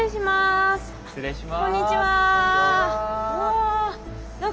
あっ失礼します。